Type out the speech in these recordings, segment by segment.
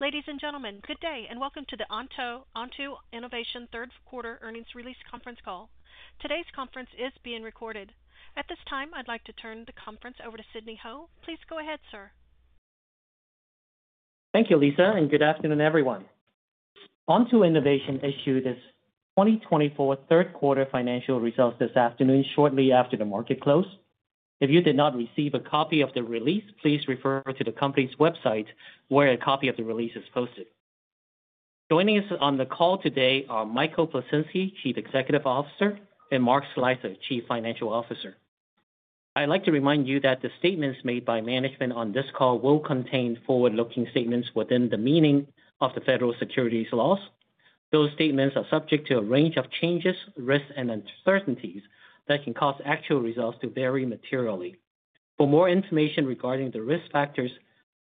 Ladies and gentlemen, good day, and welcome to the Onto Innovation Q3 earnings release conference call. Today's conference is being recorded. At this time, I'd like to turn the conference over to Sidney Ho. Please go ahead, sir. Thank you, Lisa, and good afternoon, everyone. Onto Innovation issued its 2024 Q3 financial results this afternoon, shortly after the market close. If you did not receive a copy of the release, please refer to the company's website where a copy of the release is posted. Joining us on the call today are Michael Plisinski, Chief Executive Officer, and Mark Slicer, Chief Financial Officer. I'd like to remind you that the statements made by management on this call will contain forward-looking statements within the meaning of the federal securities laws. Those statements are subject to a range of changes, risks, and uncertainties that can cause actual results to vary materially. For more information regarding the risk factors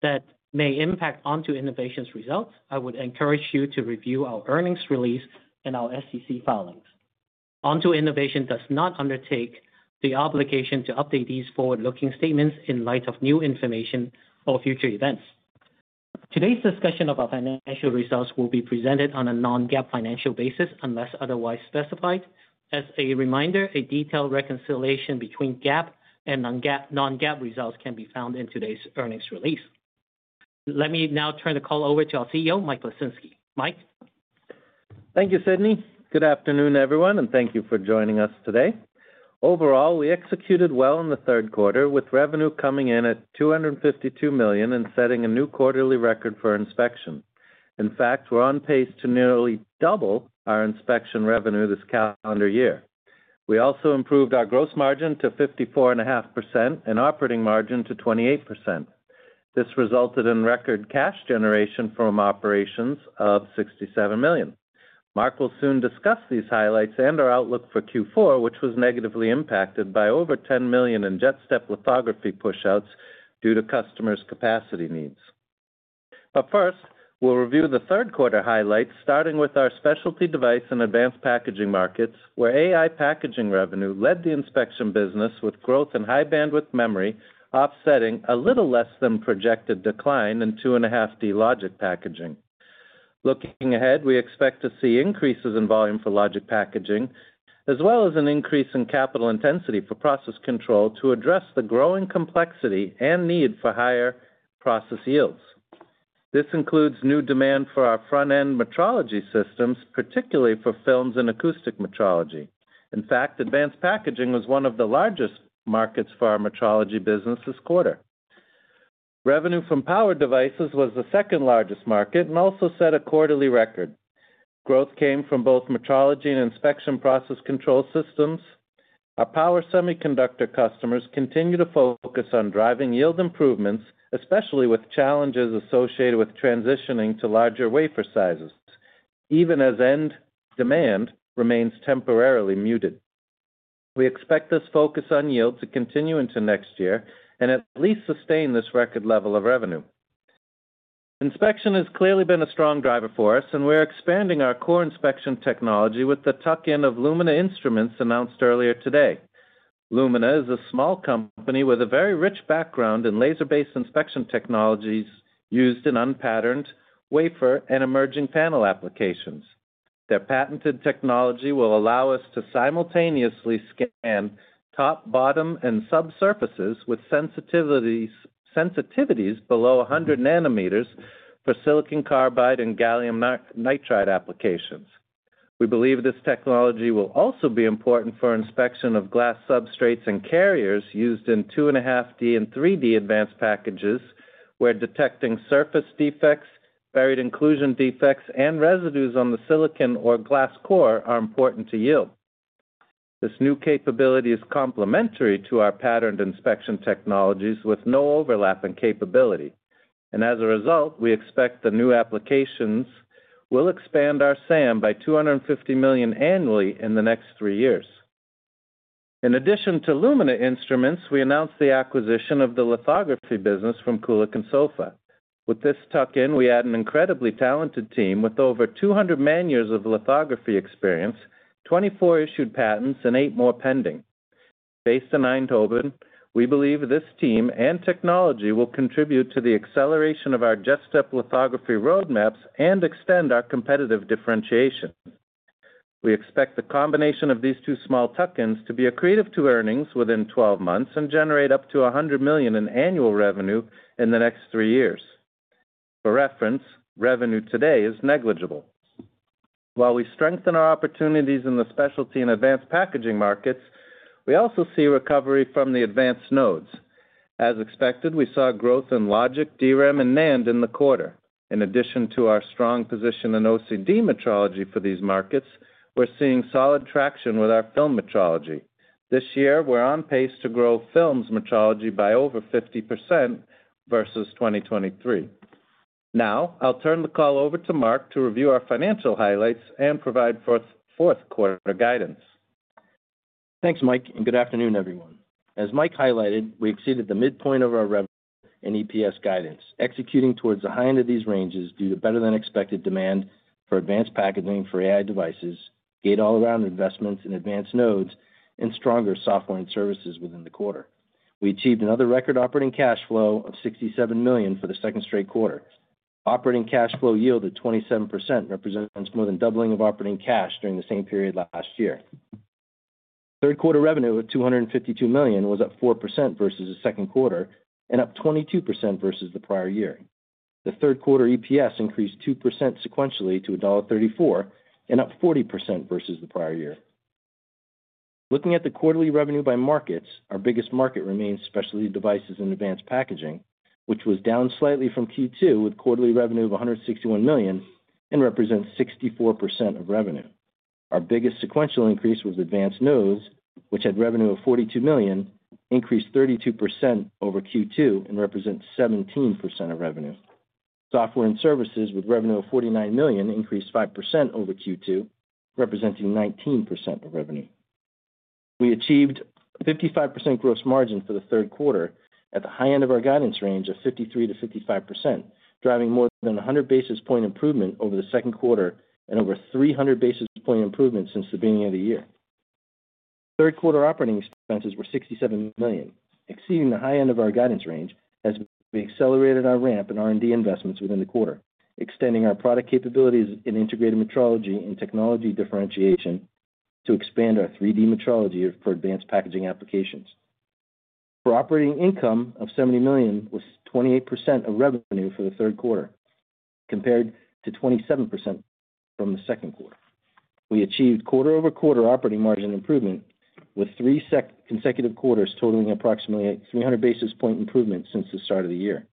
that may impact Onto Innovation's results, I would encourage you to review our earnings release and our SEC filings. Onto Innovation does not undertake the obligation to update these forward-looking statements in light of new information or future events. Today's discussion of our financial results will be presented on a non-GAAP financial basis unless otherwise specified. As a reminder, a detailed reconciliation between GAAP and non-GAAP results can be found in today's earnings release. Let me now turn the call over to our CEO, Mike Plisinski. Mike. Thank you, Sidney. Good afternoon, everyone, and thank you for joining us today. Overall, we executed well in the third quarter, with revenue coming in at $252 million and setting a new quarterly record for inspection. In fact, we're on pace to nearly double our inspection revenue this calendar year. We also improved our gross margin to 54.5% and operating margin to 28%. This resulted in record cash generation from operations of $67 million. Mark will soon discuss these highlights and our outlook for Q4, which was negatively impacted by over $10 million in JetStep lithography push-outs due to customers' capacity needs. But first, we'll review the third quarter highlights, starting with our specialty device and advanced packaging markets, where AI packaging revenue led the inspection business, with growth in high-bandwidth memory offsetting a little less than projected decline in 2.5D logic packaging. Looking ahead, we expect to see increases in volume for logic packaging, as well as an increase in capital intensity for process control to address the growing complexity and need for higher process yields. This includes new demand for our front-end metrology systems, particularly for films and acoustic metrology. In fact, advanced packaging was one of the largest markets for our metrology business this quarter. Revenue from power devices was the second-largest market and also set a quarterly record. Growth came from both metrology and inspection process control systems. Our power semiconductor customers continue to focus on driving yield improvements, especially with challenges associated with transitioning to larger wafer sizes, even as end demand remains temporarily muted. We expect this focus on yields to continue into next year and at least sustain this record level of revenue. Inspection has clearly been a strong driver for us, and we're expanding our core inspection technology with the tuck-in of Lumina Instruments announced earlier today. Lumina is a small company with a very rich background in laser-based inspection technologies used in unpatterned wafer and emerging panel applications. Their patented technology will allow us to simultaneously scan top, bottom, and subsurfaces with sensitivities below 100 nanometers for silicon carbide and gallium nitride applications. We believe this technology will also be important for inspection of glass substrates and carriers used in 2.5D and 3D advanced packages, where detecting surface defects, buried inclusion defects, and residues on the silicon or glass core are important to yield. This new capability is complementary to our patterned inspection technologies with no overlapping capability. And as a result, we expect the new applications will expand our SAM by $250 million annually in the next three years. In addition to Lumina Instruments, we announced the acquisition of the lithography business from Kulicke & Soffa. With this tuck-in, we add an incredibly talented team with over 200 man-years of lithography experience, 24 issued patents, and eight more pending. Based in Eindhoven, we believe this team and technology will contribute to the acceleration of our JetStep lithography roadmaps and extend our competitive differentiation. We expect the combination of these two small tuck-ins to be accretive to earnings within 12 months and generate up to $100 million in annual revenue in the next three years. For reference, revenue today is negligible. While we strengthen our opportunities in the specialty and advanced packaging markets, we also see recovery from the advanced nodes. As expected, we saw growth in logic, DRAM, and NAND in the quarter. In addition to our strong position in OCD metrology for these markets, we're seeing solid traction with our film metrology. This year, we're on pace to grow films metrology by over 50% versus 2023. Now, I'll turn the call over to Mark to review our financial highlights and provide fourth-quarter guidance. Thanks, Mike, and good afternoon, everyone. As Mike highlighted, we exceeded the midpoint of our revenue and EPS guidance, executing towards the high end of these ranges due to better-than-expected demand for advanced packaging for AI devices, gate-all-around investments in advanced nodes, and stronger software and services within the quarter. We achieved another record operating cash flow of $67 million for the second straight quarter. Operating cash flow yielded 27%, representing more than doubling of operating cash during the same period last year. Third-quarter revenue of $252 million was up 4% versus the second quarter and up 22% versus the prior year. The third-quarter EPS increased 2% sequentially to $1.34 and up 40% versus the prior year. Looking at the quarterly revenue by markets, our biggest market remains specialty devices and advanced packaging, which was down slightly from Q2 with quarterly revenue of $161 million and represents 64% of revenue. Our biggest sequential increase was advanced nodes, which had revenue of $42 million, increased 32% over Q2, and represents 17% of revenue. Software and services with revenue of $49 million increased 5% over Q2, representing 19% of revenue. We achieved 55% gross margin for the third quarter at the high end of our guidance range of 53%-55%, driving more than 100 basis points improvement over the second quarter and over 300 basis points improvement since the beginning of the year. Third-quarter operating expenses were $67 million, exceeding the high end of our guidance range as we accelerated our ramp in R&D investments within the quarter, extending our product capabilities in integrated metrology and technology differentiation to expand our 3D metrology for advanced packaging applications. Our operating income of $70 million was 28% of revenue for the third quarter, compared to 27% from the second quarter. We achieved quarter-over-quarter operating margin improvement, with three consecutive quarters totaling approximately 300 basis point improvement since the start of the year.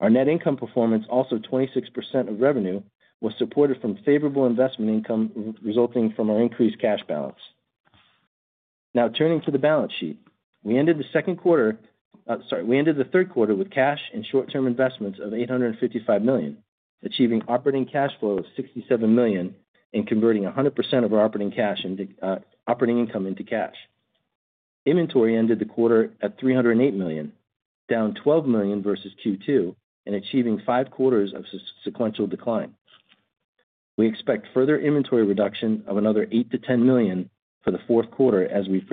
Our net income performance, also 26% of revenue, was supported from favorable investment income resulting from our increased cash balance. Now, turning to the balance sheet, we ended the second quarter, sorry, we ended the third quarter with cash and short-term investments of $855 million, achieving operating cash flow of $67 million and converting 100% of our operating income into cash. Inventory ended the quarter at $308 million, down $12 million versus Q2, and achieving five quarters of sequential decline. We expect further inventory reduction of another $8-$10 million for the fourth quarter as we—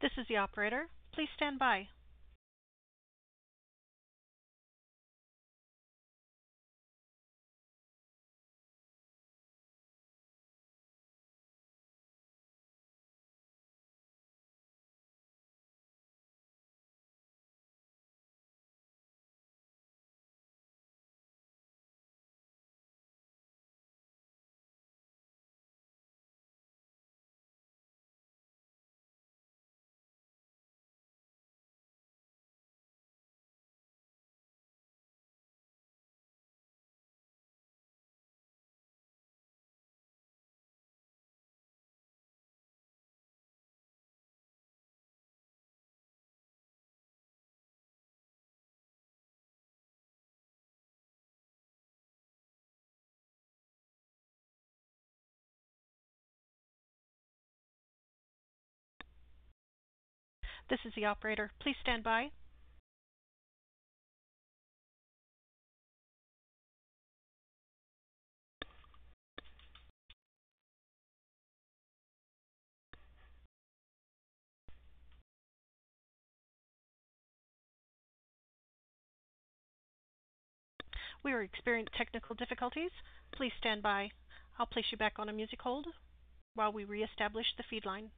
This is the operator. Please stand by. This is the operator. Please stand by. We are experiencing technical difficulties. Please stand by. I'll place you back on a music hold while we reestablish the feed line.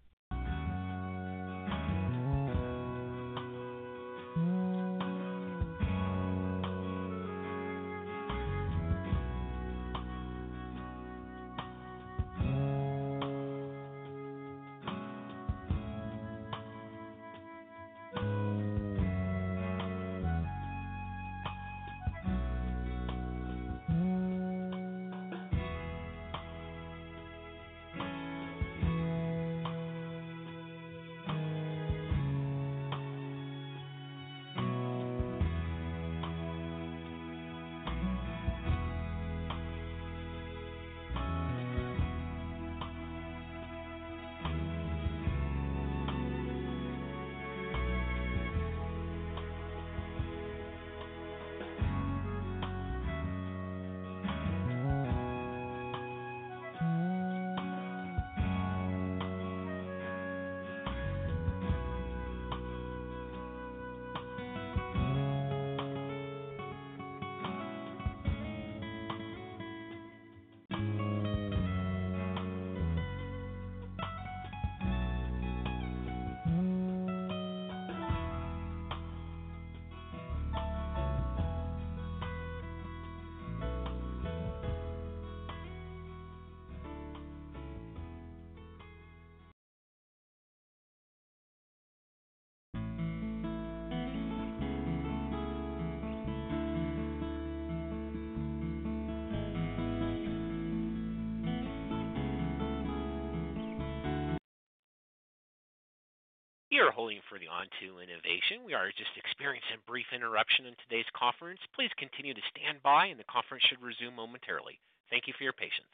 We are holding for the Onto Innovation. We are just experiencing a brief interruption in today's conference. Please continue to stand by, and the conference should resume momentarily. Thank you for your patience.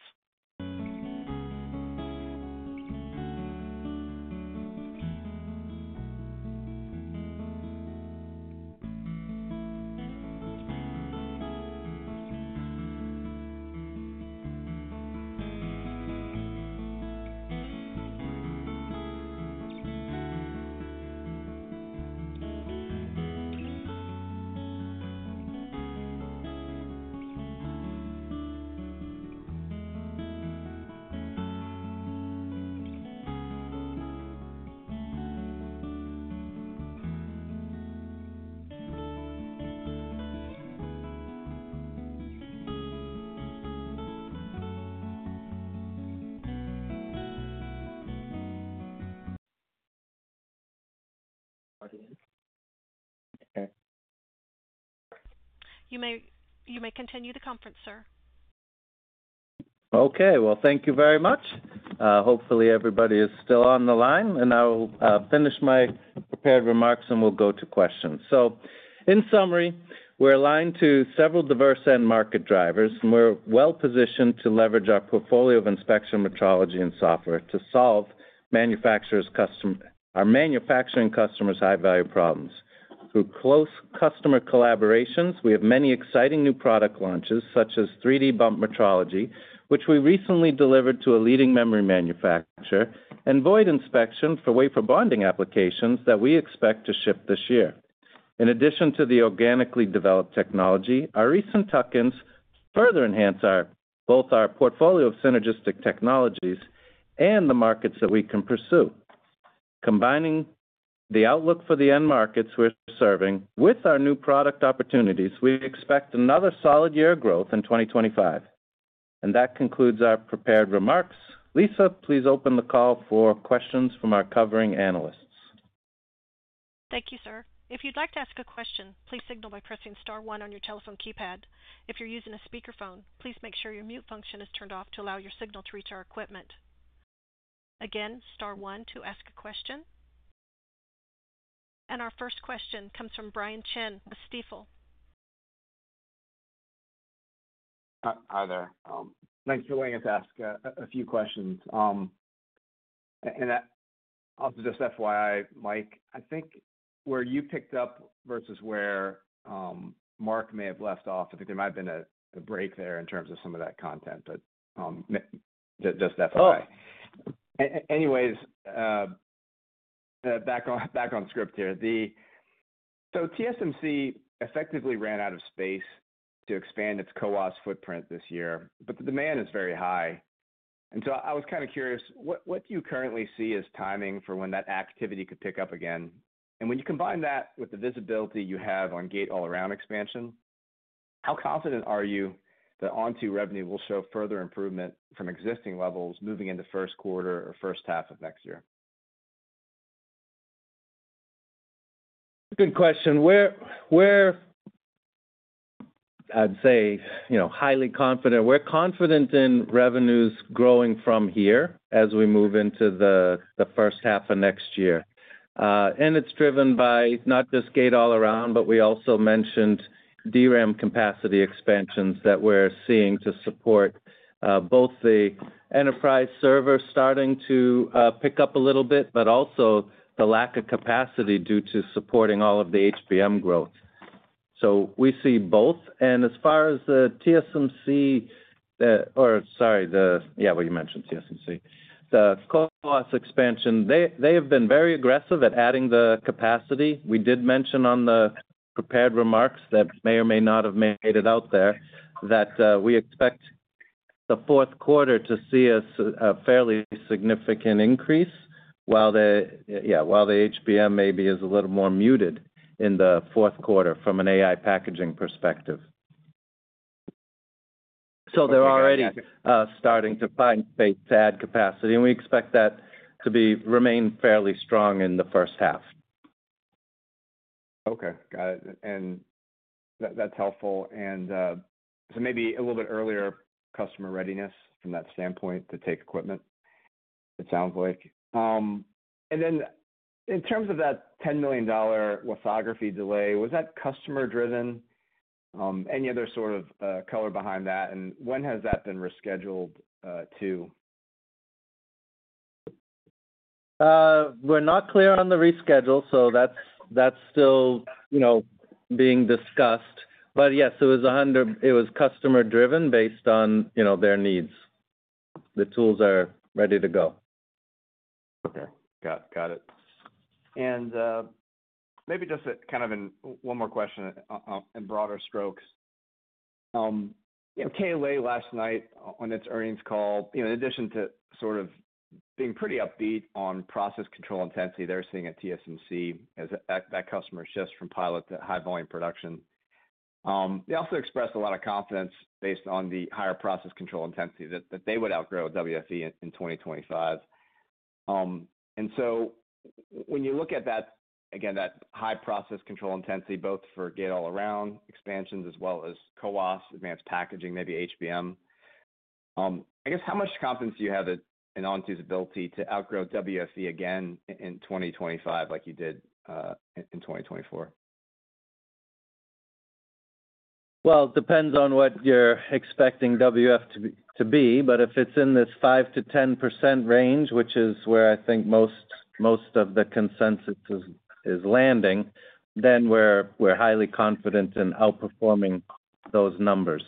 You may continue the conference, sir. Okay, well, thank you very much. Hopefully, everybody is still on the line, and I'll finish my prepared remarks, and we'll go to questions, so, in summary, we're aligned to several diverse end market drivers, and we're well-positioned to leverage our portfolio of inspection metrology and software to solve our manufacturing customers' high-value problems. Through close customer collaborations, we have many exciting new product launches, such as 3D bump metrology, which we recently delivered to a leading memory manufacturer, and void inspection for wafer bonding applications that we expect to ship this year. In addition to the organically developed technology, our recent tuck-ins further enhance both our portfolio of synergistic technologies and the markets that we can pursue. Combining the outlook for the end markets we're serving with our new product opportunities, we expect another solid year of growth in 2025, and that concludes our prepared remarks. Lisa, please open the call for questions from our covering analysts. Thank you, sir. If you'd like to ask a question, please signal by pressing Star One on your telephone keypad. If you're using a speakerphone, please make sure your mute function is turned off to allow your signal to reach our equipment. Again, Star One to ask a question. And our first question comes from Brian Chin with Stifel. Hi there. Thanks for letting us ask a few questions. And also, just FYI, Mike, I think where you picked up versus where Mark may have left off, I think there might have been a break there in terms of some of that content, but just FYI. Anyways, back on script here. TSMC effectively ran out of space to expand its CoWoS footprint this year, but the demand is very high. I was kind of curious, what do you currently see as timing for when that activity could pick up again? When you combine that with the visibility you have on gate-all-around expansion, how confident are you that Onto revenue will show further improvement from existing levels moving into first quarter or first half of next year? Good question. I'd say highly confident. We're confident in revenues growing from here as we move into the first half of next year. And it's driven by not just gate-all-around, but we also mentioned DRAM capacity expansions that we're seeing to support both the enterprise server starting to pick up a little bit, but also the lack of capacity due to supporting all of the HBM growth. So we see both. And as far as the TSMC, or sorry, yeah, well, you mentioned TSMC, the CoWoS expansion, they have been very aggressive at adding the capacity. We did mention on the prepared remarks that may or may not have made it out there that we expect the fourth quarter to see a fairly significant increase, while the HBM maybe is a little more muted in the fourth quarter from an AI packaging perspective. So they're already starting to find space to add capacity. And we expect that to remain fairly strong in the first half. Okay. Got it. And that's helpful. And so maybe a little bit earlier customer readiness from that standpoint to take equipment, it sounds like. And then in terms of that $10 million lithography delay, was that customer-driven? Any other sort of color behind that? And when has that been rescheduled to? We're not clear on the reschedule, so that's still being discussed. But yes, it was customer-driven based on their needs. The tools are ready to go. Okay. Got it. And maybe just kind of one more question in broader strokes. KLA last night on its earnings call, in addition to sort of being pretty upbeat on process control intensity they're seeing at TSMC as that customer shifts from pilot to high-volume production. They also expressed a lot of confidence based on the higher process control intensity that they would outgrow WFE in 2025. And so when you look at, again, that high process control intensity, both for gate-all-around expansions as well as CoWoS, advanced packaging, maybe HBM, I guess how much confidence do you have in Onto's ability to outgrow WFE again in 2025 like you did in 2024? It depends on what you're expecting WFE to be, but if it's in this 5%-10% range, which is where I think most of the consensus is landing, then we're highly confident in outperforming those numbers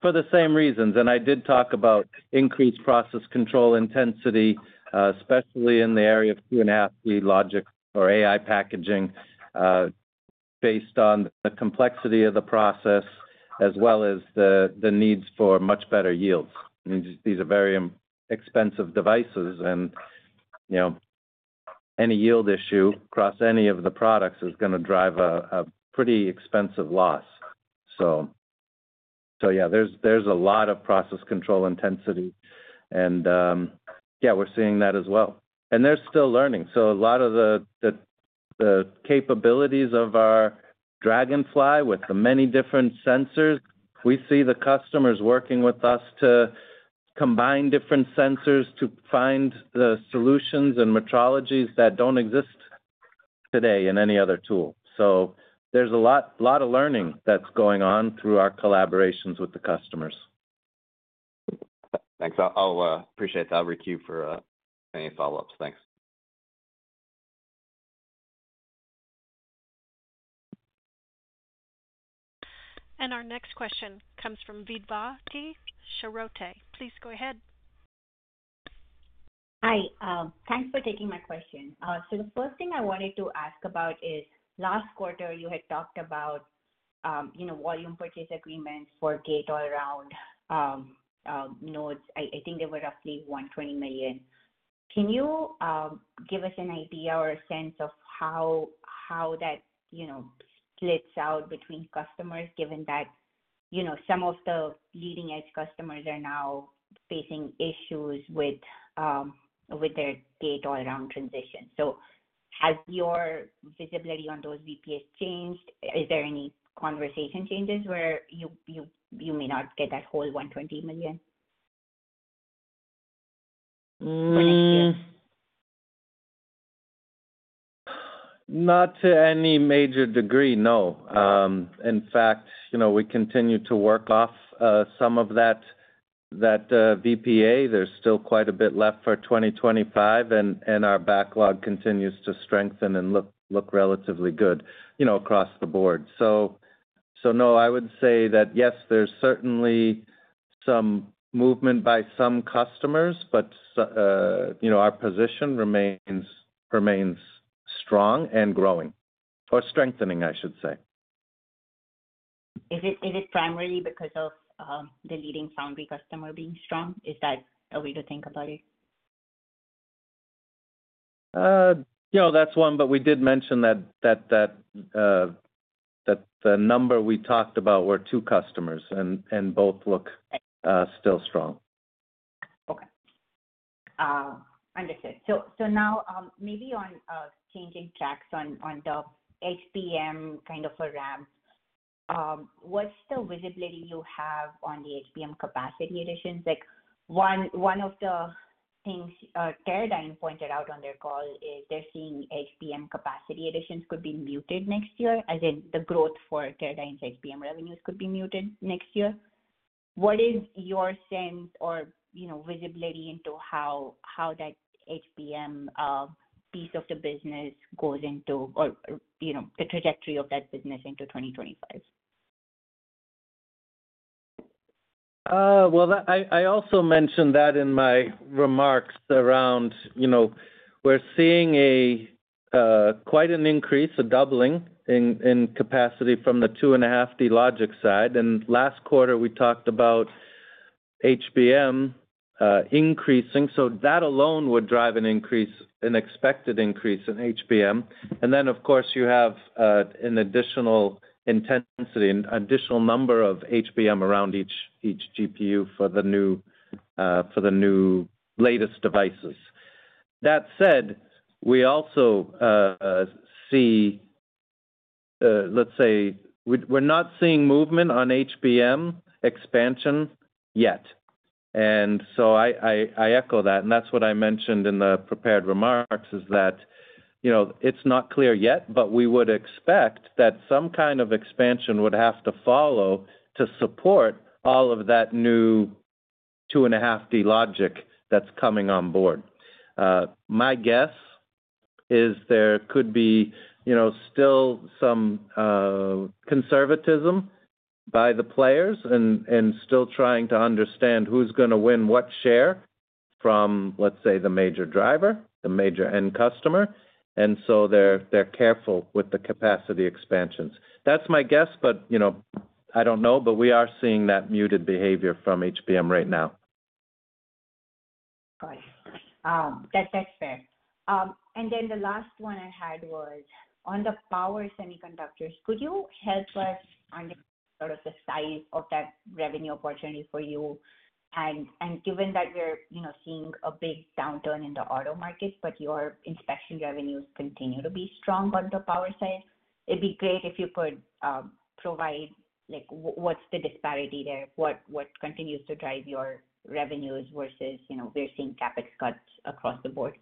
for the same reasons, and I did talk about increased process control intensity, especially in the area of 2.5D logic or AI packaging based on the complexity of the process as well as the needs for much better yields. These are very expensive devices, and any yield issue across any of the products is going to drive a pretty expensive loss, so yeah, there's a lot of process control intensity, and yeah, we're seeing that as well, and they're still learning. So a lot of the capabilities of our Dragonfly with the many different sensors, we see the customers working with us to combine different sensors to find the solutions and metrologies that don't exist today in any other tool. So there's a lot of learning that's going on through our collaborations with the customers. Thanks. I appreciate that. I'll reach out for any follow-ups. Thanks. Our next question comes from Vedvati Shrotre. Please go ahead. Hi. Thanks for taking my question. So the first thing I wanted to ask about is last quarter, you had talked about volume purchase agreements for gate-all-around nodes. I think they were roughly $120 million. Can you give us an idea or a sense of how that splits out between customers, given that some of the leading-edge customers are now facing issues with their gate-all-around transition? So has your visibility on those VPAs changed? Is there any conversation changes where you may not get that whole $120 million for next year? Not to any major degree, no. In fact, we continue to work off some of that VPA. There's still quite a bit left for 2025, and our backlog continues to strengthen and look relatively good across the board. So no, I would say that, yes, there's certainly some movement by some customers, but our position remains strong and growing or strengthening, I should say. Is it primarily because of the leading foundry customer being strong? Is that a way to think about it? That's one. But we did mention that the number we talked about were two customers, and both look still strong. Okay. Understood. So now, maybe on changing tracks on the HBM kind of a ramp, what's the visibility you have on the HBM capacity additions? One of the things Teradyne pointed out on their call is they're seeing HBM capacity additions could be muted next year, as in the growth for Teradyne's HBM revenues could be muted next year. What is your sense or visibility into how that HBM piece of the business goes into or the trajectory of that business into 2025? I also mentioned that in my remarks around, we're seeing quite an increase, a doubling in capacity from the 2.5D logic side. Last quarter, we talked about HBM increasing. That alone would drive an increase, an expected increase in HBM. Then, of course, you have an additional intensity and additional number of HBM around each GPU for the new latest devices. That said, we also see, let's say, we're not seeing movement on HBM expansion yet. I echo that. That's what I mentioned in the prepared remarks is that it's not clear yet, but we would expect that some kind of expansion would have to follow to support all of that new 2.5D logic that's coming on board. My guess is there could be still some conservatism by the players and still trying to understand who's going to win what share from, let's say, the major driver, the major end customer, and so they're careful with the capacity expansions. That's my guess, but I don't know, but we are seeing that muted behavior from HBM right now. Right. That's fair. And then the last one I had was on the power semiconductors. Could you help us understand sort of the size of that revenue opportunity for you? And given that we're seeing a big downturn in the auto market, but your inspection revenues continue to be strong on the power side, it'd be great if you could provide what's the disparity there, what continues to drive your revenues versus we're seeing CapEx cuts across the board?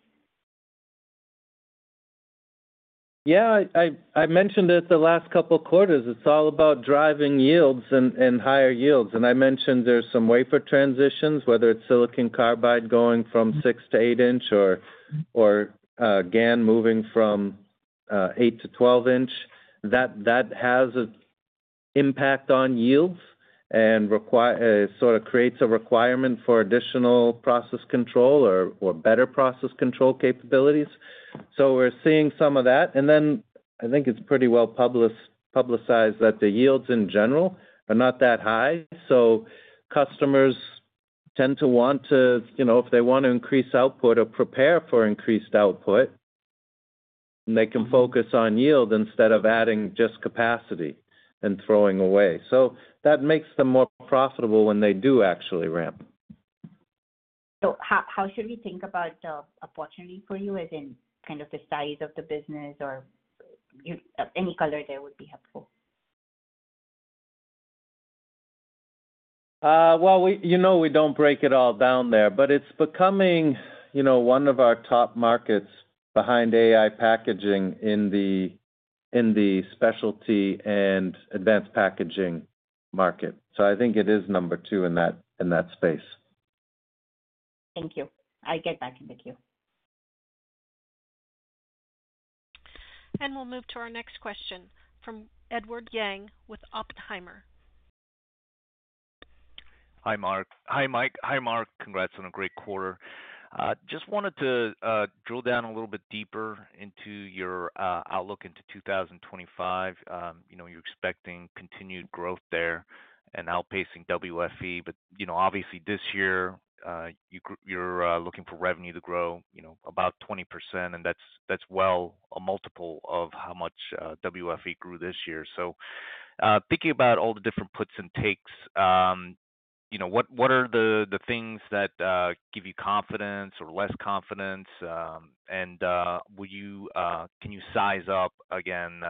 Yeah. I mentioned it the last couple of quarters. It's all about driving yields and higher yields. And I mentioned there's some wafer transitions, whether it's silicon carbide going from 6-inch to 8-inch or GaN moving from 8-inch to 12-inch. That has an impact on yields and sort of creates a requirement for additional process control or better process control capabilities. So we're seeing some of that. And then I think it's pretty well publicized that the yields in general are not that high. So customers tend to want to, if they want to increase output or prepare for increased output, they can focus on yield instead of adding just capacity and throwing away. So that makes them more profitable when they do actually ramp. So how should we think about the opportunity for you as in kind of the size of the business or any color there would be helpful? We don't break it all down there, but it's becoming one of our top markets behind AI packaging in the specialty and advanced packaging market. I think it is number two in that space. Thank you. I'll get back in the queue. We'll move to our next question from Edward Yang with Oppenheimer. Hi, Mike. Hi, Mark. Congrats on a great quarter. Just wanted to drill down a little bit deeper into your outlook into 2025. You're expecting continued growth there and outpacing WFE. But obviously, this year, you're looking for revenue to grow about 20%, and that's well a multiple of how much WFE grew this year. So thinking about all the different puts and takes, what are the things that give you confidence or less confidence? And can you size up again?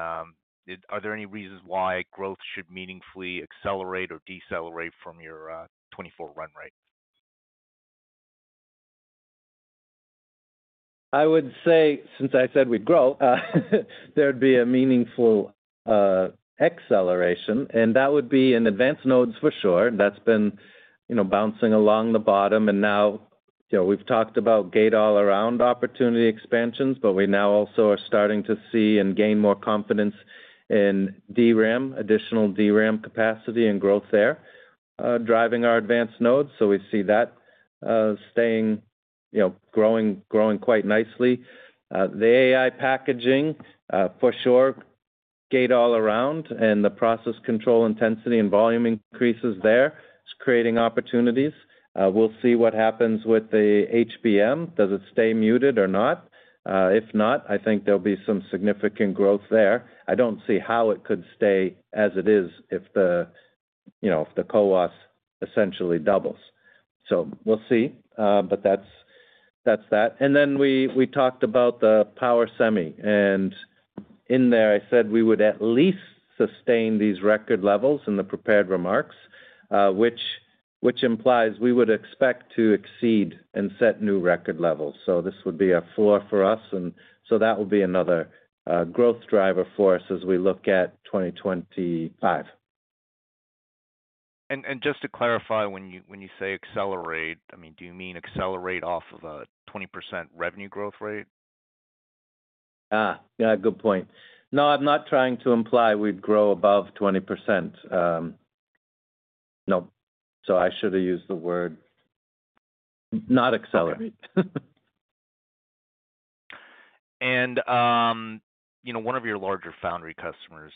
Are there any reasons why growth should meaningfully accelerate or decelerate from your 2024 run rate? I would say, since I said we'd grow, there'd be a meaningful acceleration. And that would be in advanced nodes for sure. That's been bouncing along the bottom. And now we've talked about gate-all-around opportunity expansions, but we now also are starting to see and gain more confidence in DRAM, additional DRAM capacity and growth there driving our advanced nodes. So we see that staying growing quite nicely. The AI packaging for sure, gate-all-around and the process control intensity and volume increases there is creating opportunities. We'll see what happens with the HBM. Does it stay muted or not? If not, I think there'll be some significant growth there. I don't see how it could stay as it is if the CoWoS essentially doubles. So we'll see. But that's that. And then we talked about the power semi. In there, I said we would at least sustain these record levels in the prepared remarks, which implies we would expect to exceed and set new record levels. This would be a floor for us. That will be another growth driver for us as we look at 2025. Just to clarify, when you say accelerate, I mean, do you mean accelerate off of a 20% revenue growth rate? Yeah. Good point. No, I'm not trying to imply we'd grow above 20%. No. So I should have used the word not accelerate. And one of your larger foundry customers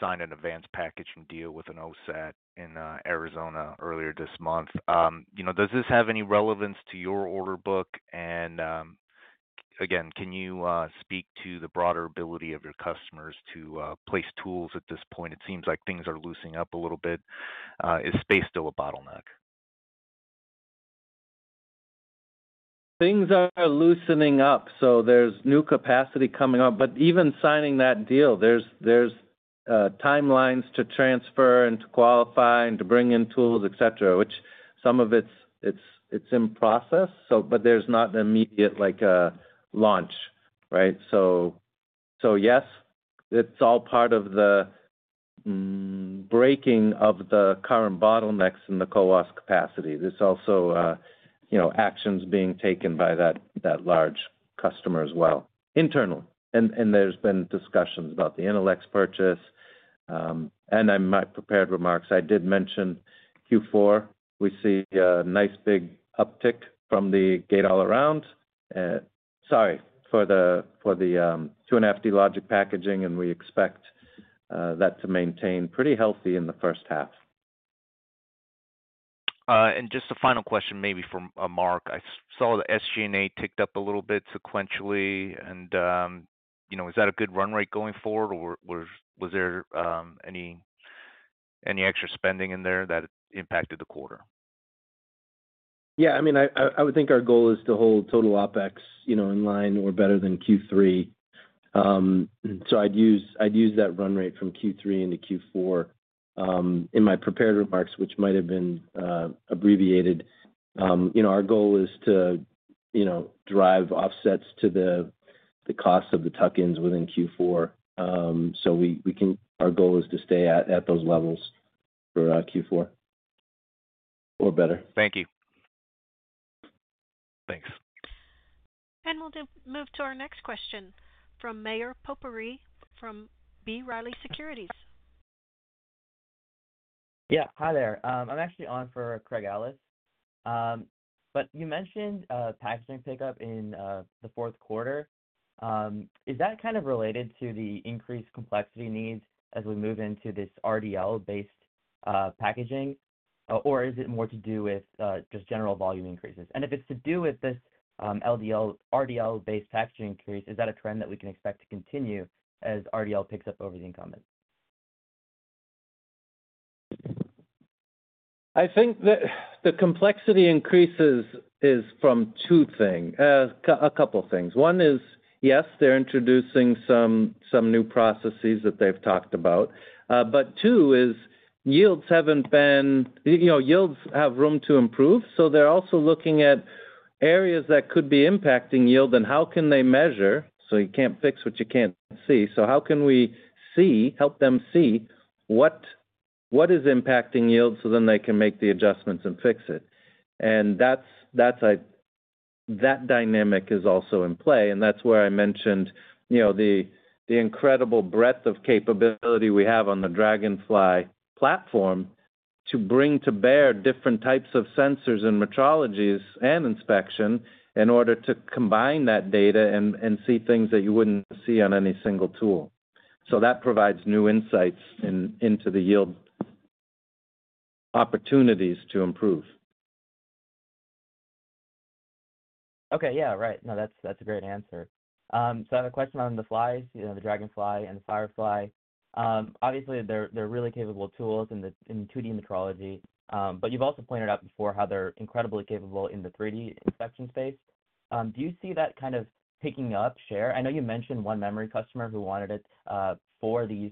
signed an advanced packaging deal with an OSAT in Arizona earlier this month. Does this have any relevance to your order book? And again, can you speak to the broader ability of your customers to place tools at this point? It seems like things are loosening up a little bit. Is space still a bottleneck? Things are loosening up. So there's new capacity coming up. But even signing that deal, there's timelines to transfer and to qualify and to bring in tools, etc., which some of it's in process. But there's not an immediate launch, right? So yes, it's all part of the breaking of the current bottlenecks in the CoWoS capacity. There's also actions being taken by that large customer as well internally. And there's been discussions about the Innolux purchase. And in my prepared remarks, I did mention Q4. We see a nice big uptick from the gate-all-around. Sorry for the 2.5D logic packaging, and we expect that to maintain pretty healthy in the first half. And just a final question maybe for Mark. I saw the SG&A ticked up a little bit sequentially. And is that a good run rate going forward, or was there any extra spending in there that impacted the quarter? Yeah. I mean, I would think our goal is to hold total OpEx in line or better than Q3. So I'd use that run rate from Q3 into Q4 in my prepared remarks, which might have been abbreviated. Our goal is to drive offsets to the cost of the tuck-ins within Q4. So our goal is to stay at those levels for Q4 or better. Thank you. Thanks. We'll move to our next question from Mayur Popuri from B. Riley Securities. Yeah. Hi there. I'm actually on for Craig Ellis. But you mentioned packaging pickup in the fourth quarter. Is that kind of related to the increased complexity needs as we move into this RDL-based packaging, or is it more to do with just general volume increases? And if it's to do with this RDL-based packaging increase, is that a trend that we can expect to continue as RDL picks up over the incumbent? I think that the complexity increase is from two things, a couple of things. One is, yes, they're introducing some new processes that they've talked about. But two is yields have room to improve. So they're also looking at areas that could be impacting yield and how can they measure? So you can't fix what you can't see. So how can we help them see what is impacting yields so then they can make the adjustments and fix it? And that dynamic is also in play. And that's where I mentioned the incredible breadth of capability we have on the Dragonfly platform to bring to bear different types of sensors and metrologies and inspection in order to combine that data and see things that you wouldn't see on any single tool. So that provides new insights into the yield opportunities to improve. Okay. Yeah. Right. No, that's a great answer. So I have a question on the flies, the Dragonfly and the Firefly. Obviously, they're really capable tools in 2D metrology. But you've also pointed out before how they're incredibly capable in the 3D inspection space. Do you see that kind of picking up share? I know you mentioned one memory customer who wanted it for these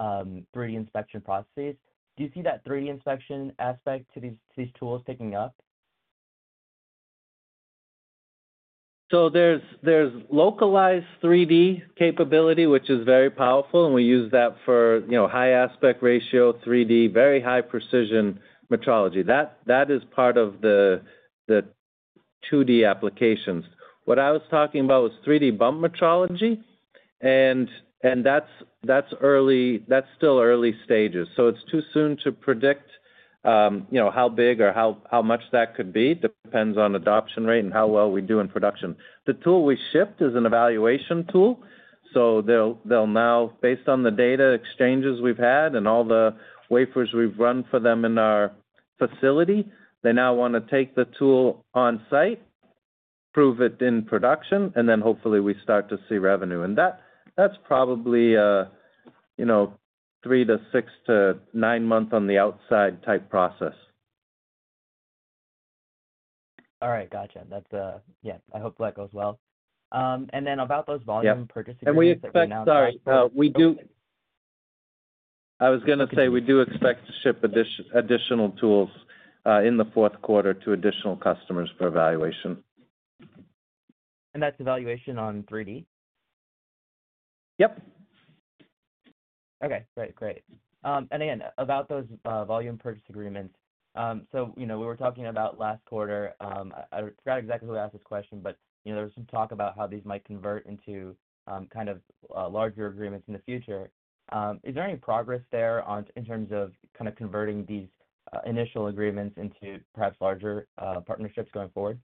3D inspection processes. Do you see that 3D inspection aspect to these tools picking up? So there's localized 3D capability, which is very powerful. And we use that for high aspect ratio 3D, very high precision metrology. That is part of the 2D applications. What I was talking about was 3D bump metrology. And that's still early stages. So it's too soon to predict how big or how much that could be. It depends on adoption rate and how well we do in production. The tool we shipped is an evaluation tool. So they'll now, based on the data exchanges we've had and all the wafers we've run for them in our facility, they now want to take the tool on site, prove it in production, and then hopefully we start to see revenue. And that's probably a three- to six- to nine-month-on-the-outside type process. All right. Gotcha. Yeah. I hope that goes well, and then about those volume purchasing expectations now. We expect. Sorry. I was going to say we do expect to ship additional tools in the fourth quarter to additional customers for evaluation. That's evaluation on 3D? Yep. Okay. Great. Great. And again, about those volume purchase agreements. So we were talking about last quarter. I forgot exactly who asked this question, but there was some talk about how these might convert into kind of larger agreements in the future. Is there any progress there in terms of kind of converting these initial agreements into perhaps larger partnerships going forward?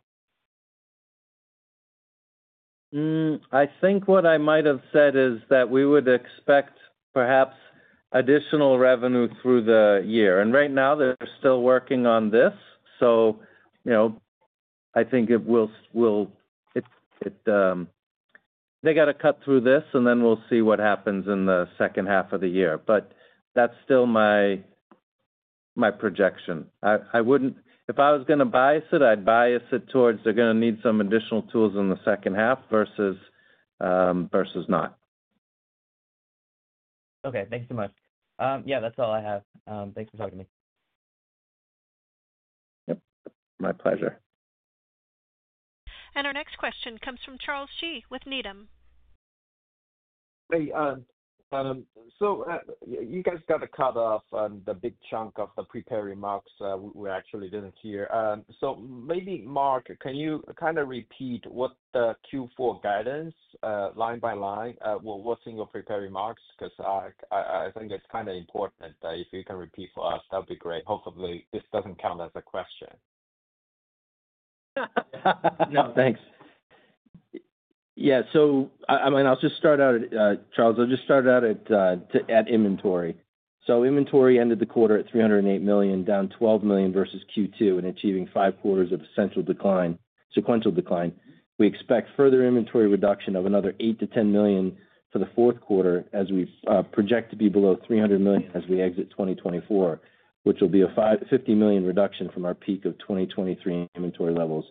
I think what I might have said is that we would expect perhaps additional revenue through the year. And right now, they're still working on this. So I think they got to cut through this, and then we'll see what happens in the second half of the year. But that's still my projection. If I was going to bias it, I'd bias it towards they're going to need some additional tools in the second half versus not. Okay. Thanks so much. Yeah. That's all I have. Thanks for talking to me. Yep. My pleasure. And our next question comes from Charles Shi with Needham. Hey. So you guys got cut off the big chunk of the prepared remarks we actually didn't hear. So maybe, Mark, can you kind of repeat what the Q4 guidance line by line was in your prepared remarks? Because I think it's kind of important. If you can repeat for us, that would be great. Hopefully, this doesn't count as a question. No. Thanks. Yeah. So I mean, I'll just start out at Charles. I'll just start out at inventory. So inventory ended the quarter at $308 million, down $12 million versus Q2 and achieving five quarters of sequential decline. We expect further inventory reduction of another $8 million-$10 million for the fourth quarter as we project to be below $300 million as we exit 2024, which will be a $50 million reduction from our peak of 2023 inventory levels.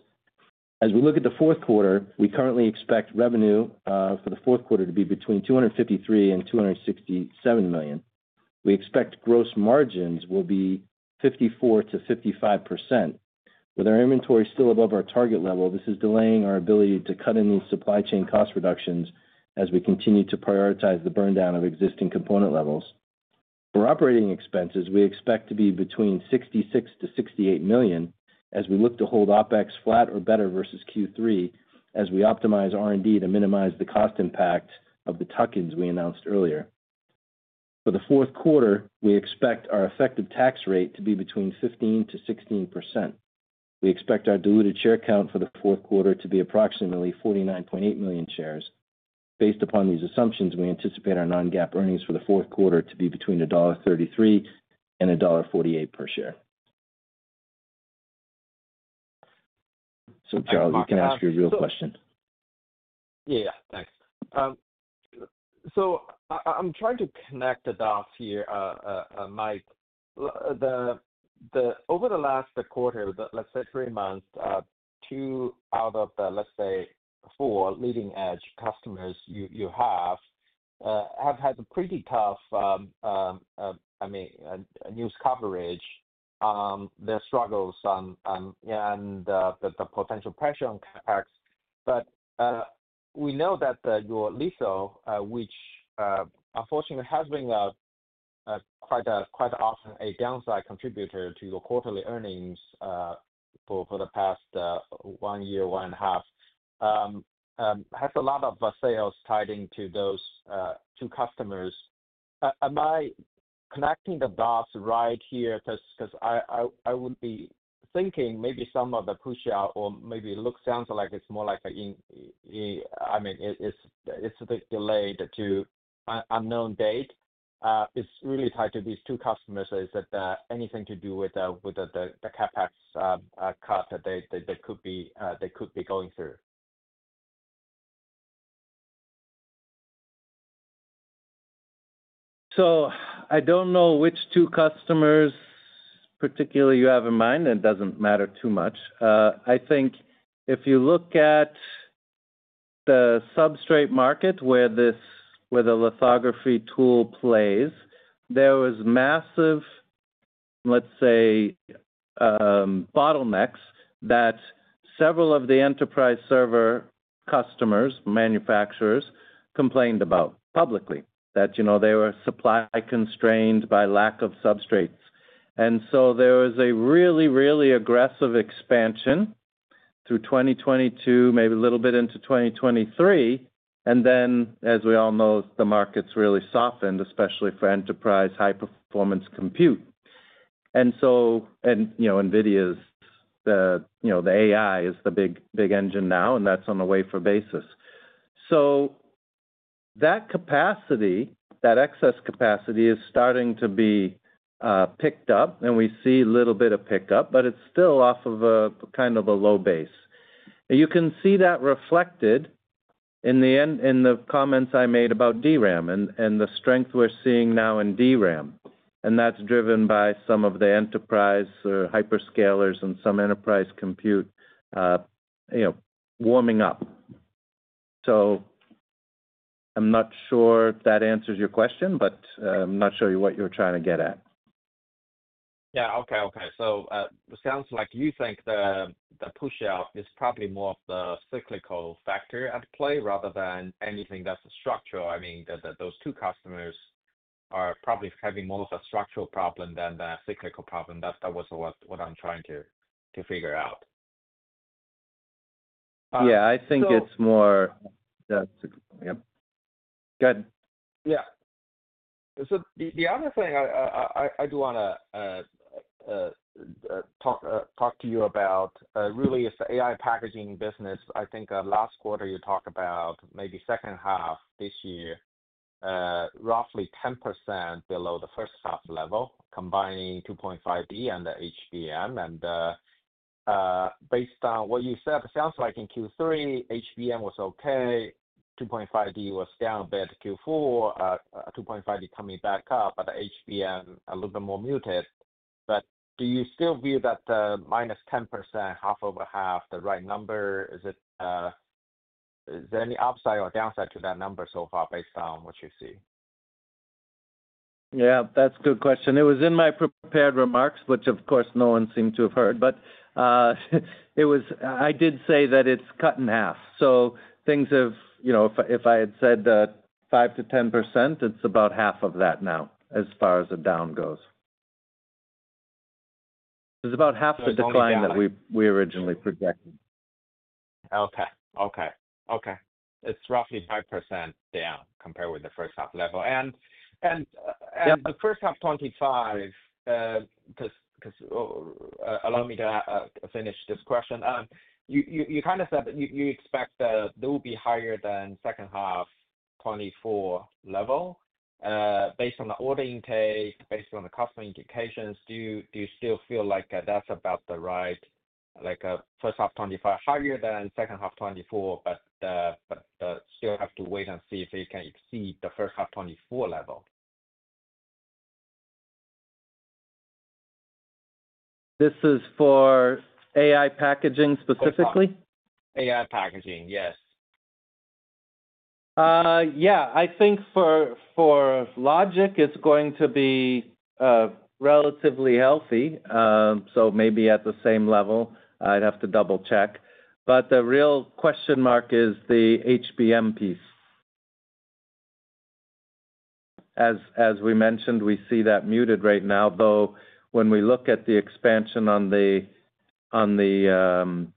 As we look at the fourth quarter, we currently expect revenue for the fourth quarter to be between $253 million and $267 million. We expect gross margins will be 54%-55%. With our inventory still above our target level, this is delaying our ability to cut in these supply chain cost reductions as we continue to prioritize the burndown of existing component levels. For operating expenses, we expect to be between $66 million-$68 million as we look to hold OpEx flat or better versus Q3 as we optimize R&D to minimize the cost impact of the tuck-ins we announced earlier. For the fourth quarter, we expect our effective tax rate to be between 15%-16%. We expect our diluted share count for the fourth quarter to be approximately 49.8 million shares. Based upon these assumptions, we anticipate our non-GAAP earnings for the fourth quarter to be between $1.33 and $1.48 per share. So Charles, you can ask your real question. Yeah. Thanks. So I'm trying to connect the dots here, Mike. Over the last quarter, let's say three months, two out of the, let's say, four leading-edge customers you have have had a pretty tough, I mean, news coverage, their struggles and the potential pressure on CapEx. But we know that your Litho, which unfortunately has been quite often a downside contributor to your quarterly earnings for the past one year, one and a half, has a lot of sales tied into those two customers. Am I connecting the dots right here? Because I would be thinking maybe some of the push-out or maybe it sounds like it's more like a, I mean, it's delayed to an unknown date. It's really tied to these two customers. Is it anything to do with the CapEx cut that they could be going through? So I don't know which two customers particularly you have in mind. It doesn't matter too much. I think if you look at the substrate market where the lithography tool plays, there was massive, let's say, bottlenecks that several of the enterprise server customers, manufacturers, complained about publicly that they were supply constrained by lack of substrates. And so there was a really, really aggressive expansion through 2022, maybe a little bit into 2023. And then, as we all know, the market's really softened, especially for enterprise high-performance compute. And NVIDIA's AI is the big engine now, and that's on a wafer basis. So that capacity, that excess capacity, is starting to be picked up. And we see a little bit of pickup, but it's still off of kind of a low base. You can see that reflected in the comments I made about DRAM and the strength we're seeing now in DRAM. And that's driven by some of the enterprise or hyperscalers and some enterprise compute warming up. So I'm not sure that answers your question, but I'm not sure what you're trying to get at. Yeah. Okay. So it sounds like you think the push-out is probably more of the cyclical factor at play rather than anything that's structural. I mean, those two customers are probably having more of a structural problem than a cyclical problem. That was what I'm trying to figure out. Yeah. I think it's more, yeah. Go ahead. Yeah. So the other thing I do want to talk to you about really is the AI packaging business. I think last quarter you talked about maybe second half this year, roughly 10% below the first-half level, combining 2.5D and the HBM. And based on what you said, it sounds like in Q3, HBM was okay. 2.5D was down a bit Q4, 2.5D coming back up, but the HBM a little bit more muted. But do you still view that minus 10%, half over half, the right number? Is there any upside or downside to that number so far based on what you see? Yeah. That's a good question. It was in my prepared remarks, which, of course, no one seemed to have heard. But I did say that it's cut in half. So things have, if I had said 5%-10%, it's about half of that now as far as the down goes. It's about half the decline that we originally projected. It's roughly 5% down compared with the first half level. And the first half of 2025, because, allow me to finish this question, you kind of said that you expect there will be higher than second half of 2024 level based on the order intake, based on the customer indications. Do you still feel like that's about the right, like first half of 2025, higher than second half of 2024, but still have to wait and see if it can exceed the first half of 2024 level? This is for AI packaging specifically? AI packaging, yes. Yeah. I think for Logic, it's going to be relatively healthy. So maybe at the same level, I'd have to double-check. But the real question mark is the HBM piece. As we mentioned, we see that muted right now. Though when we look at the expansion on the 2.5D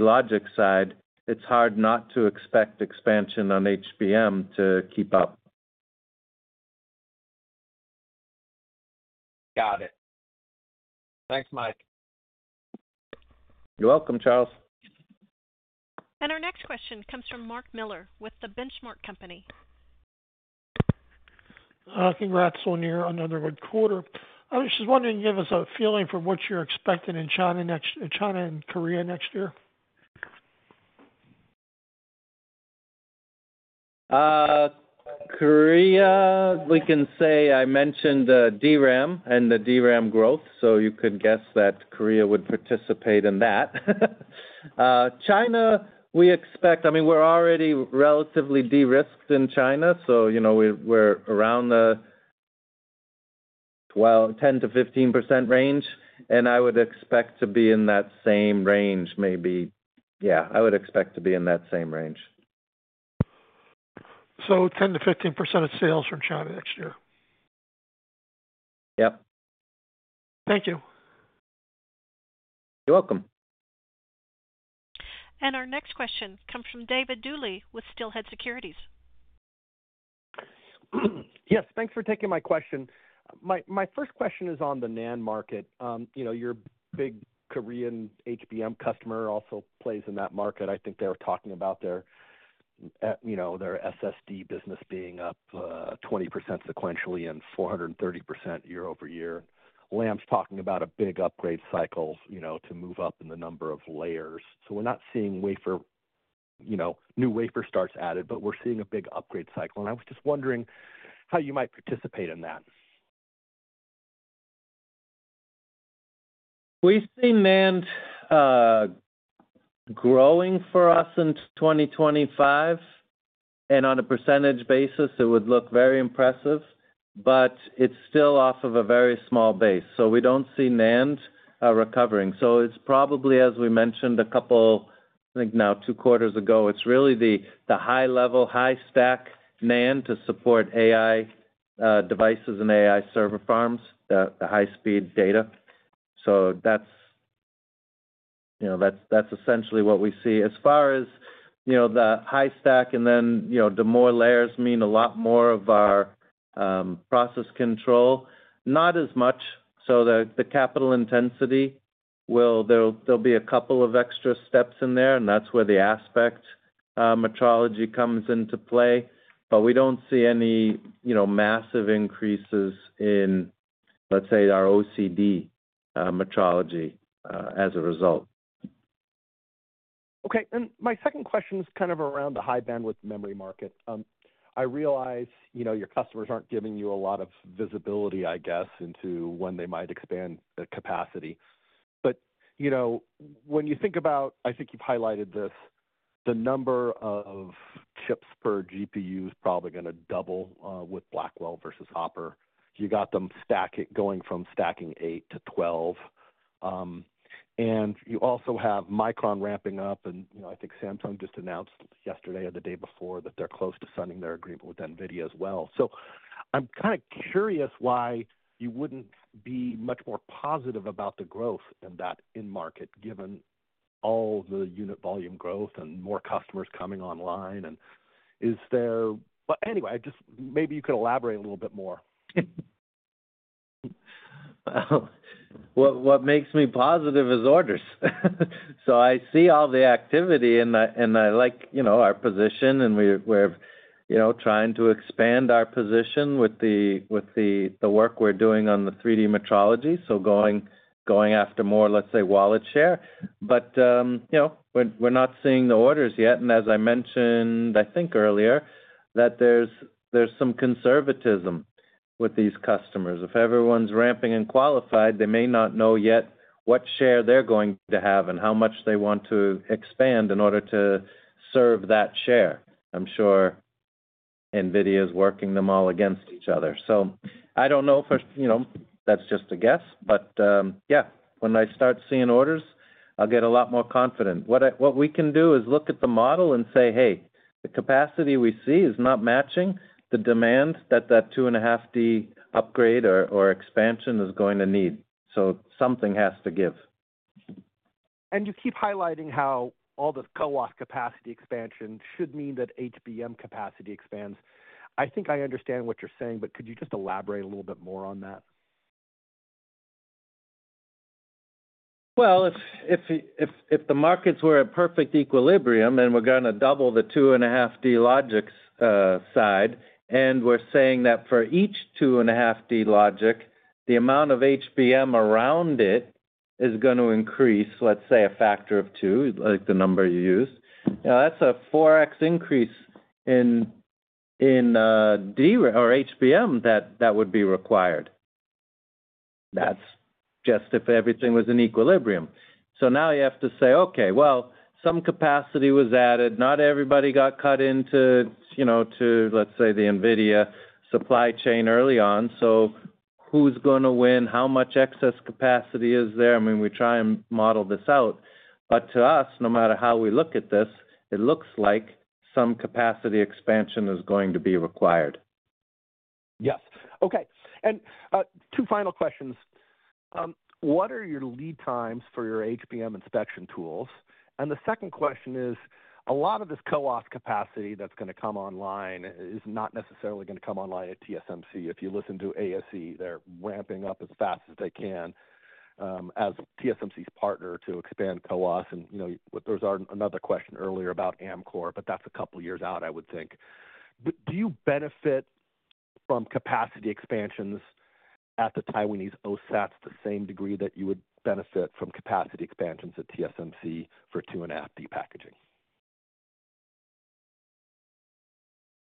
Logic side, it's hard not to expect expansion on HBM to keep up. Got it. Thanks, Mike. You're welcome, Charles. Our next question comes from Mark Miller with The Benchmark Company. Congrats on yet another good quarter. I was just wondering if you gave us a feeling for what you're expecting in China and Korea next year? Korea, we can say I mentioned DRAM and the DRAM growth. So you could guess that Korea would participate in that. China, we expect, I mean, we're already relatively de-risked in China. So we're around the 10%-15% range. And I would expect to be in that same range, maybe. Yeah. I would expect to be in that same range. 10%-15% of sales from China next year. Yep. Thank you. You're welcome. And our next question comes from David Duley with Steelhead Securities. Yes. Thanks for taking my question. My first question is on the NAND market. Your big Korean HBM customer also plays in that market. I think they were talking about their SSD business being up 20% sequentially and 430% year over year. Lam's talking about a big upgrade cycle to move up in the number of layers, so we're not seeing new wafer starts added, but we're seeing a big upgrade cycle, and I was just wondering how you might participate in that. We see NAND growing for us in 2025. And on a percentage basis, it would look very impressive. But it's still off of a very small base. So we don't see NAND recovering. So it's probably, as we mentioned a couple, I think now two quarters ago, it's really the high-level, high-stack NAND to support AI devices and AI server farms, the high-speed data. So that's essentially what we see. As far as the high-stack and then the more layers mean a lot more of our process control, not as much. So the capital intensity, there'll be a couple of extra steps in there. And that's where the aspect metrology comes into play. But we don't see any massive increases in, let's say, our OCD metrology as a result. Okay. And my second question is kind of around the high-bandwidth memory market. I realize your customers aren't giving you a lot of visibility, I guess, into when they might expand the capacity. But when you think about, I think you've highlighted this, the number of chips per GPU is probably going to double with Blackwell versus Hopper. You got them going from stacking eight to 12. And you also have Micron ramping up. And I think Samsung just announced yesterday or the day before that they're close to signing their agreement with NVIDIA as well. So I'm kind of curious why you wouldn't be much more positive about the growth in that in-market given all the unit volume growth and more customers coming online. But anyway, maybe you could elaborate a little bit more. Well, what makes me positive is orders. So I see all the activity. And I like our position. And we're trying to expand our position with the work we're doing on the 3D metrology, so going after more, let's say, wallet share. But we're not seeing the orders yet. And as I mentioned, I think earlier, that there's some conservatism with these customers. If everyone's ramping and qualified, they may not know yet what share they're going to have and how much they want to expand in order to serve that share. I'm sure NVIDIA is working them all against each other. So I don't know if that's just a guess. But yeah, when I start seeing orders, I'll get a lot more confident. What we can do is look at the model and say, "Hey, the capacity we see is not matching the demand that that 2.5D upgrade or expansion is going to need," so something has to give. You keep highlighting how all the CoWoS capacity expansion should mean that HBM capacity expands. I think I understand what you're saying, but could you just elaborate a little bit more on that? If the markets were at perfect equilibrium and we're going to double the 2.5D Logic side, and we're saying that for each 2.5D Logic, the amount of HBM around it is going to increase, let's say, a factor of two, like the number you used, that's a 4x increase in HBM that would be required. That's just if everything was in equilibrium. So now you have to say, "Okay. Well, some capacity was added. Not everybody got cut into, let's say, the NVIDIA supply chain early on. So who's going to win? How much excess capacity is there?" I mean, we try and model this out. But to us, no matter how we look at this, it looks like some capacity expansion is going to be required. Yes. Okay. And two final questions. What are your lead times for your HBM inspection tools? And the second question is, a lot of this CoWoS capacity that's going to come online is not necessarily going to come online at TSMC. If you listen to ASE, they're ramping up as fast as they can as TSMC's partner to expand CoWoS. And there was another question earlier about Amkor, but that's a couple of years out, I would think. But do you benefit from capacity expansions at the Taiwanese OSATs to the same degree that you would benefit from capacity expansions at TSMC for 2.5D packaging?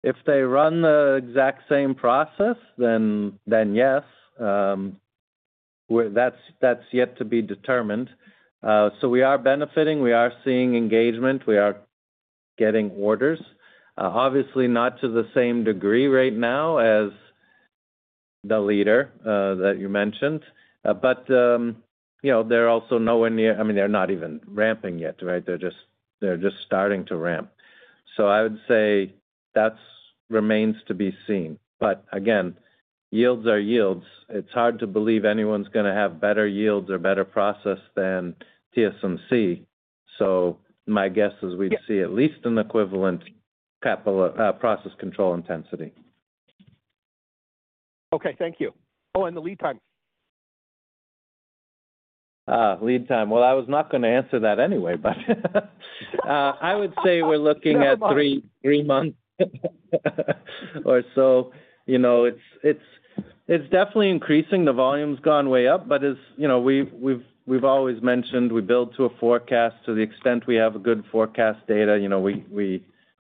If they run the exact same process, then yes. That's yet to be determined. So we are benefiting. We are seeing engagement. We are getting orders. Obviously, not to the same degree right now as the leader that you mentioned. But they're also nowhere near, I mean, they're not even ramping yet, right? They're just starting to ramp. So I would say that remains to be seen. But again, yields are yields. It's hard to believe anyone's going to have better yields or better process than TSMC. So my guess is we'd see at least an equivalent process control intensity. Okay. Thank you. Oh, and the lead time. Lead time. I was not going to answer that anyway, but I would say we're looking at three months or so. It's definitely increasing. The volume's gone way up. But as we've always mentioned, we build to a forecast. To the extent we have good forecast data,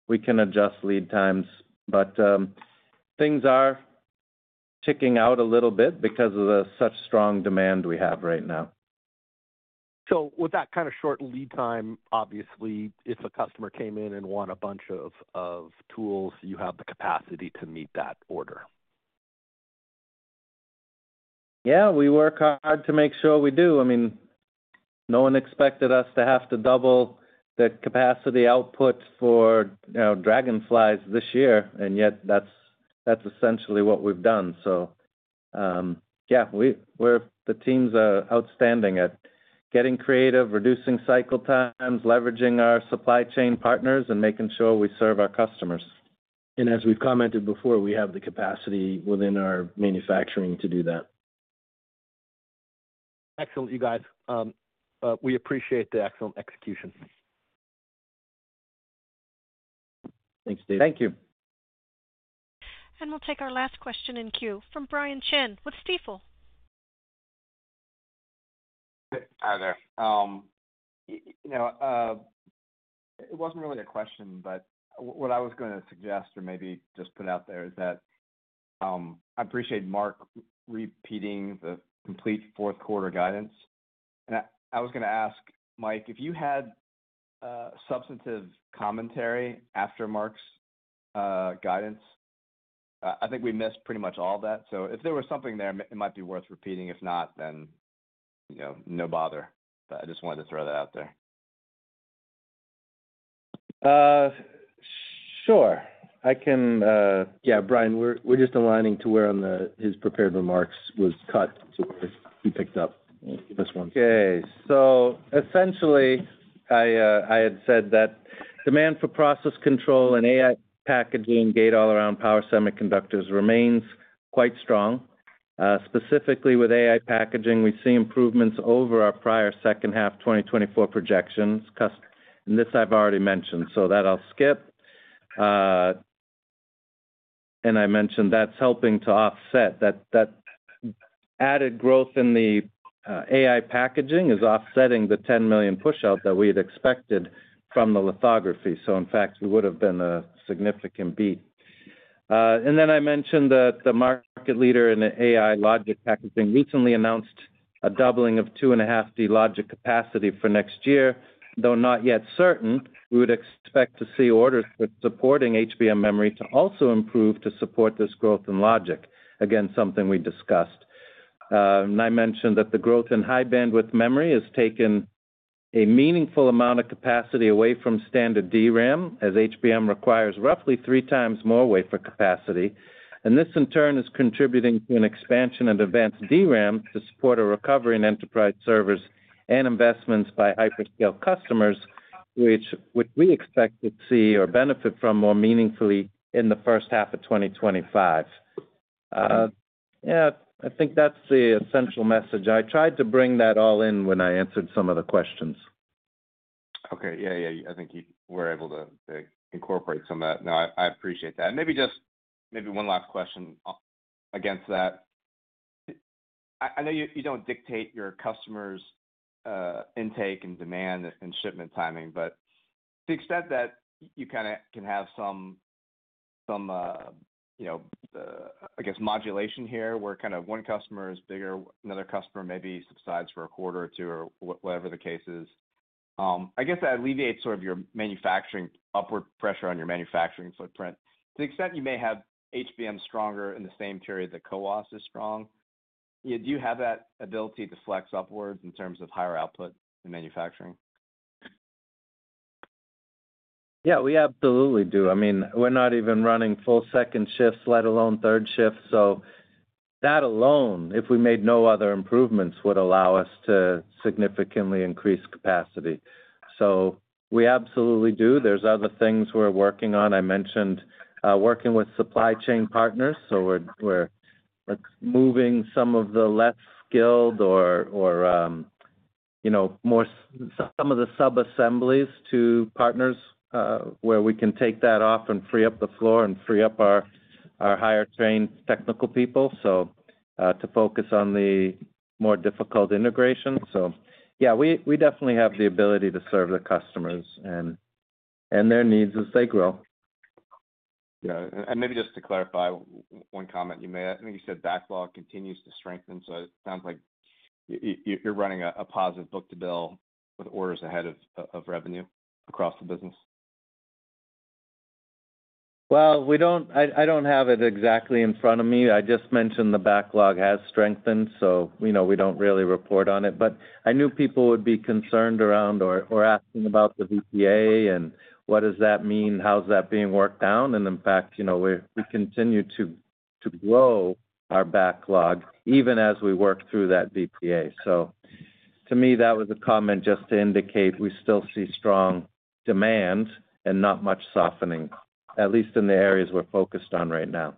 we can adjust lead times. But things are ticking out a little bit because of such strong demand we have right now. So with that kind of short lead time, obviously, if a customer came in and want a bunch of tools, you have the capacity to meet that order. Yeah. We work hard to make sure we do. I mean, no one expected us to have to double the capacity output for Dragonflies this year. And yet that's essentially what we've done. So yeah, the team's outstanding at getting creative, reducing cycle times, leveraging our supply chain partners, and making sure we serve our customers. And as we've commented before, we have the capacity within our manufacturing to do that. Excellent, you guys. We appreciate the excellent execution. Thanks, David. Thank you. We'll take our last question in queue from Brian Chin with Stifel. Hi there. It wasn't really a question, but what I was going to suggest or maybe just put out there is that I appreciate Mark repeating the complete fourth quarter guidance. And I was going to ask Mike, if you had substantive commentary after Mark's guidance, I think we missed pretty much all that. So if there was something there, it might be worth repeating. If not, then no bother. But I just wanted to throw that out there. Sure. Yeah. Brian, we're just aligning to where his prepared remarks was cut to where he picked up this one. Okay. So essentially, I had said that demand for process control and AI packaging, gate-all-around power semiconductors, remains quite strong. Specifically, with AI packaging, we see improvements over our prior second-half 2024 projections. And this I've already mentioned, so that I'll skip. And I mentioned that's helping to offset that added growth in the AI packaging is offsetting the $10 million push-out that we had expected from the lithography. So in fact, it would have been a significant beat. And then I mentioned that the market leader in AI logic packaging recently announced a doubling of 2.5D logic capacity for next year. Though not yet certain, we would expect to see orders for supporting HBM memory to also improve to support this growth in logic. Again, something we discussed. I mentioned that the growth in high-bandwidth memory has taken a meaningful amount of capacity away from standard DRAM, as HBM requires roughly three times more wafer capacity. This, in turn, is contributing to an expansion in advanced DRAM to support a recovery in enterprise servers and investments by hyperscale customers, which we expect to see or benefit from more meaningfully in the first half of 2025. Yeah. I think that's the essential message. I tried to bring that all in when I answered some of the questions. Okay. Yeah, yeah. I think we're able to incorporate some of that. No, I appreciate that. And maybe one last question against that. I know you don't dictate your customers' intake and demand and shipment timing, but to the extent that you kind of can have some, I guess, modulation here where kind of one customer is bigger, another customer maybe subsides for a quarter or two or whatever the case is. I guess that alleviates sort of your manufacturing upward pressure on your manufacturing footprint. To the extent you may have HBM stronger in the same period that CoWoS is strong, do you have that ability to flex upwards in terms of higher output in manufacturing? Yeah, we absolutely do. I mean, we're not even running full second shifts, let alone third shifts. So that alone, if we made no other improvements, would allow us to significantly increase capacity. So we absolutely do. There's other things we're working on. I mentioned working with supply chain partners. So we're moving some of the less skilled or some of the sub-assemblies to partners where we can take that off and free up the floor and free up our higher-trained technical people to focus on the more difficult integration. So yeah, we definitely have the ability to serve the customers and their needs as they grow. Yeah, and maybe just to clarify one comment you made. I think you said backlog continues to strengthen, so it sounds like you're running a positive book to bill with orders ahead of revenue across the business. I don't have it exactly in front of me. I just mentioned the backlog has strengthened. We don't really report on it. I knew people would be concerned around or asking about the VPA and what does that mean, how's that being worked down. In fact, we continue to grow our backlog even as we work through that VPA. To me, that was a comment just to indicate we still see strong demand and not much softening, at least in the areas we're focused on right now.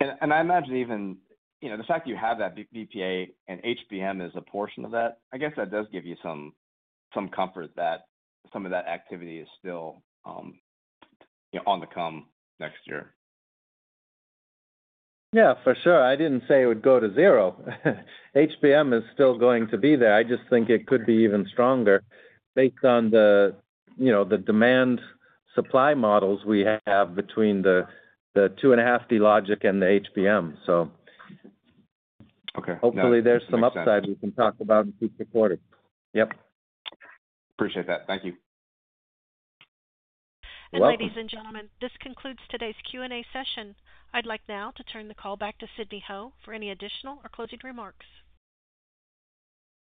I imagine even the fact that you have that VPA and HBM is a portion of that. I guess that does give you some comfort that some of that activity is still on the come next year. Yeah, for sure. I didn't say it would go to zero. HBM is still going to be there. I just think it could be even stronger based on the demand-supply models we have between the 2.5D Logic and the HBM. So hopefully, there's some upside we can talk about in future quarters. Yep. Appreciate that. Thank you. Ladies and gentlemen, this concludes today's Q&A session. I'd like now to turn the call back to Sidney Ho for any additional or closing remarks.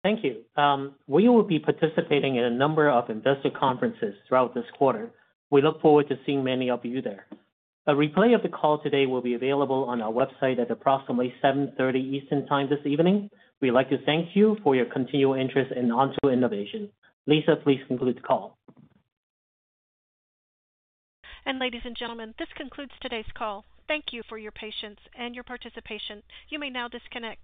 Thank you. We will be participating in a number of investor conferences throughout this quarter. We look forward to seeing many of you there. A replay of the call today will be available on our website at approximately 7:30 P.M. Eastern Time this evening. We'd like to thank you for your continual interest in Onto Innovation. Lisa, please conclude the call. Ladies and gentlemen, this concludes today's call. Thank you for your patience and your participation. You may now disconnect.